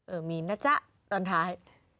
มีนะจ๊ะตอนท้าย